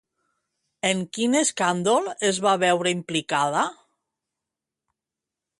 En quin escàndol es va veure implicada?